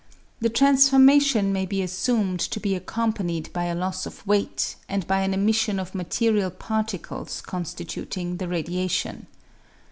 The transformation may be assumed to be accompanied by a loss of weight and by an emission of material particles constituting the radiation.